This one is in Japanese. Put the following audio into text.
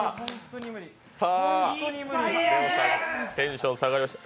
テンション下がりました。